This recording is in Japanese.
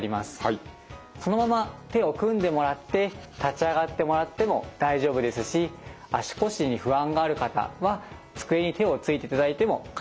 そのまま手を組んでもらって立ち上がってもらっても大丈夫ですし足腰に不安がある方は机に手をついていただいても構いません。